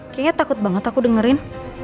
kayaknya takut banget aku dengerin